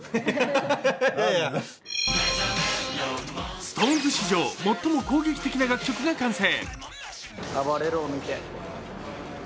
ＳｉｘＴＯＮＥＳ史上最も攻撃的な曲が完成。